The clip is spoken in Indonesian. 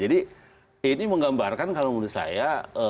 jadi ini menggambarkan kalau menurut saya